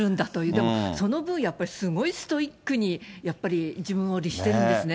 でも、その分やっぱり、すごいストイックに、やっぱり自分を律してるんですね。